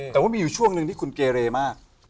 แต่ว่าไม่อยู่ช่วงนี้คุณเกรร์มาก